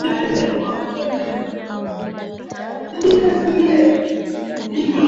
hodari sana kwa utegaji na uwindaji wa wanyamapori kama vile kwa lugha yao nyhaluchi